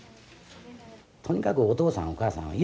とにかくお父さんお母さんは忙しいです。